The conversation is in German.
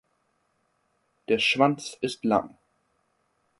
Der Schwanz ist lang.